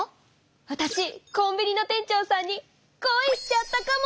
わたしコンビニの店長さんに恋しちゃったかも。